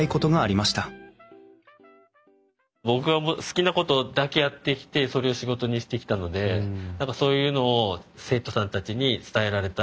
僕が好きなことだけやってきてそれを仕事にしてきたので何かそういうのを生徒さんたちに伝えられたらいいなあと思いながら。